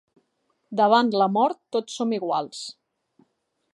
Davant la mort tots som iguals.